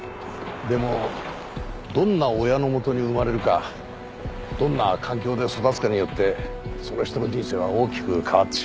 でもどんな親のもとに生まれるかどんな環境で育つかによってその人の人生は大きく変わってしまう。